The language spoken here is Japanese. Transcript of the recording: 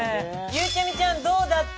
ゆうちゃみちゃんどうだった？